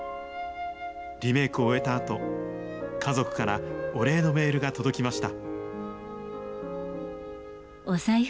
リメイクを終えたあと、家族からお礼のメールが届きました。